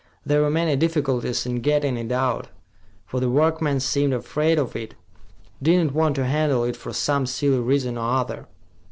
"There were many difficulties in getting it out, for the workmen seemed afraid of it, did not want to handle it for some silly reason or other."